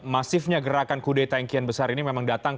masifnya gerakan kudai tangkian besar ini memang datang